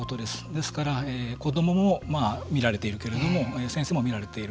ですから子どもも見られているけれども先生も見られている。